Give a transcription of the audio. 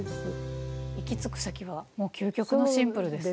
行き着く先はもう究極のシンプルですね。